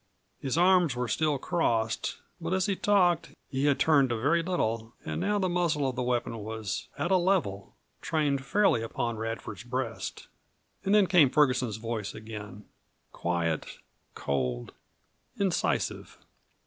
His arms were still crossed, but as he talked he had turned a very little and now the muzzle of the weapon was at a level trained fairly upon Radford's breast. And then came Ferguson's voice again, quiet, cold, incisive.